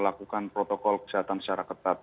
lakukan protokol kesehatan secara ketat